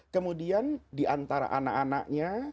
kemudian diantara anak anaknya